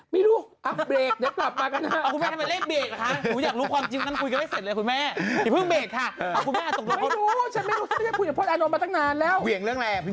ที่ไม่ทำอะไร